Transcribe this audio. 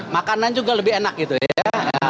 makanan juga lebih enak gitu ya